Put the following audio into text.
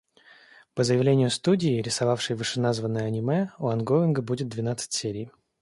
По заявлению студии, рисовавшей вышеназванное аниме, у онгоинга будет двенадцать серий.